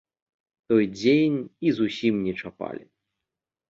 Той дзень іх зусім не чапалі.